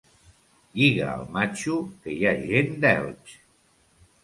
Lliga el matxo, que hi ha gent d'Elx!